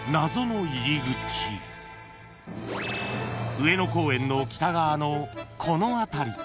［上野公園の北側のこの辺り］